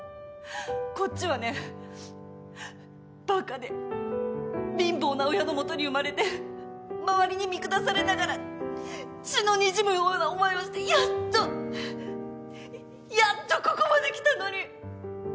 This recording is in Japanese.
こっちはねバカで貧乏な親のもとに生まれて周りに見下されながら血のにじむような思いをしてやっとやっとここまで来たのに。